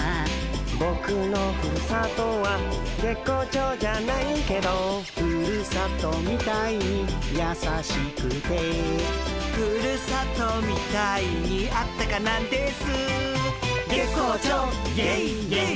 「ボクのふるさとは月光町じゃないケド」「ふるさとみたいにやさしくて」「ふるさとみたいにあったかなんですー」「月光町イエイイエイ」